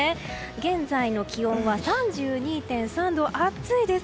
現在の気温は３２．３度と暑いです。